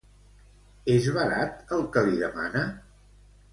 És barat, el que li demana?